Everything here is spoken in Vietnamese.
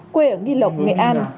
quê ở nghi lộc nghệ an